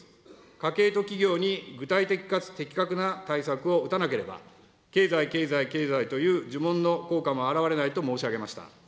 家計と企業に具体的かつ的確な対策を打たなければ、経済、経済、経済という呪文の効果もあらわれないと申し上げました。